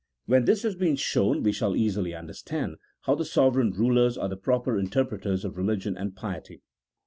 When this has been shown we shall easily understand how the sovereign rulers are the proper interpreters of religion and piety.